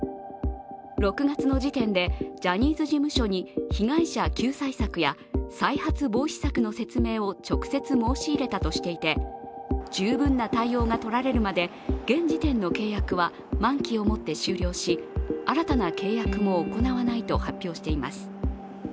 ６月の時点でジャニーズ事務所に被害者救済策や再発防止策の説明を直接申し入れたとしていて十分な対応が取られるまで現時点の契約は満期を持って終了し、新たな契約も行わないと発表しています。